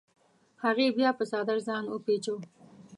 هغې بیا په څادر ځان وپیچوه.